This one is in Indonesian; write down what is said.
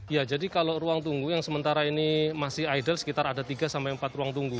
ya jadi kalau ruang tunggu yang sementara ini masih idol sekitar ada tiga sampai empat ruang tunggu